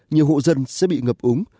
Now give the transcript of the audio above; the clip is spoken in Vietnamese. nhiều hộ dân sẽ bị ngập ống